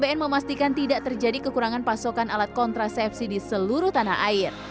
bn memastikan tidak terjadi kekurangan pasokan alat kontrasefsi di seluruh tanah air